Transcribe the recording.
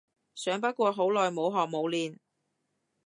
想不過好耐冇學冇練